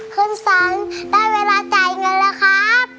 คุณสันได้เวลาจ่ายเงินแล้วครับ